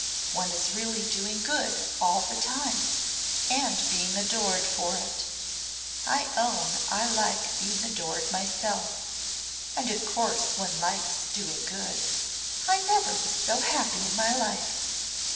One is really doing good all the time and being adored for it. I own I like being adored myself and of course one likes doing good. I never was so happy in my life."